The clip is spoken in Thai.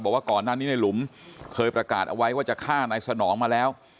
บอกว่าก่อนหน้านี้ในหลุมเคยประกาศเอาไว้ว่าจะฆ่านายสนองมาแล้ว